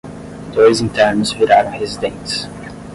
Dois internos viraram residentes